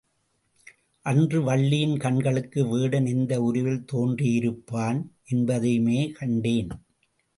அன்று வள்ளியின் கண்களுக்கு வேடன் எந்த உருவில் தோன்றியிருப்பான் என்பதையுமே கண்டேன்.